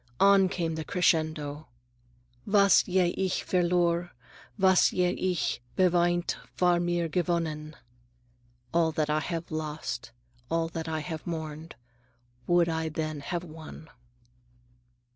On came the crescendo:— "Was je ich verlor, Was je ich beweint War' mir gewonnen." (All that I have lost, All that I have mourned, Would I then have won.)